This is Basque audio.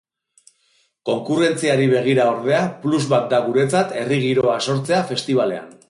Konkurrentziari begira, ordea, plus bat da guretzat herri giroa sortzea festibalean.